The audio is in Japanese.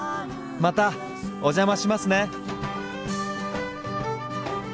またお邪魔しますね。